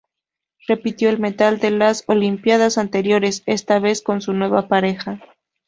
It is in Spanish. Repitió el metal de las olimpiadas anteriores, esta vez con su nueva pareja.